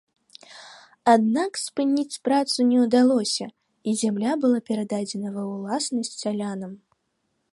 Аднак, спыніць працу не ўдалося і зямля была перададзена ва ўласнасць сялянам.